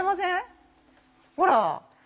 ほら。